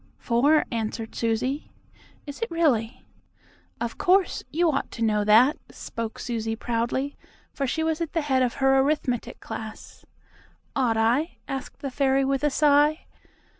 "Four," answered Susie. "Is it really?" "Of course. You ought to know that," spoke Susie proudly, for she was at the head of her arithmetic class. "Ought I?" asked the fairy with a sigh.